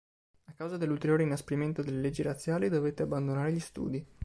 A causa dell'ulteriore inasprimento delle leggi razziali dovette abbandonare gli studi.